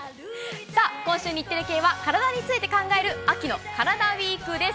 今週、日テレ系は体について考える秋のカラダＷＥＥＫです。